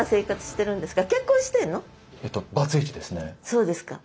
そうですか。